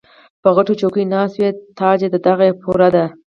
پۀ غټو چوکــــو ناست وي تاجه دغه یې پوره ده